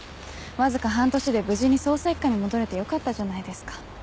わずか半年で無事に捜査一課に戻れてよかったじゃないですか。